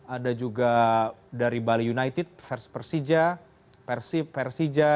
ada juga dari bali united pers persija persib persija